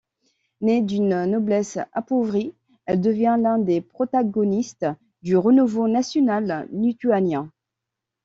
Née d'une noblesse appauvrie, elle devient l'un des protagonistes du renouveau national lituanien.